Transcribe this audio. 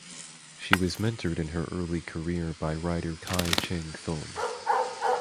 She was mentored in her early career by writer Kai Cheng Thom.